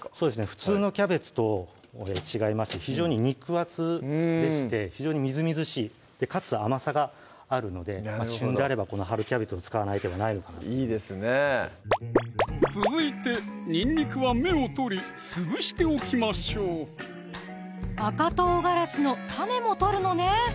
普通のキャベツと違いまして非常に肉厚でして非常にみずみずしいかつ甘さがあるので旬であればこの春キャベツを使わない手はないのかないいですねぇ続いてにんにくは芽を取り潰しておきましょう赤唐辛子の種も取るのね